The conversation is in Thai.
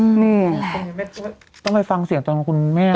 นี่ต้องไปฟังเสียงตอนคุณแม่